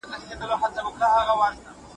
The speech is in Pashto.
د پانګي دوران ته زمینه برابره کړئ.